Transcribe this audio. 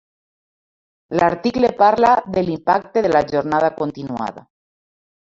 L'article parla de l'impacte de la jornada continuada.